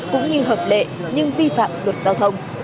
cũng như hợp lệ nhưng vi phạm luật giao thông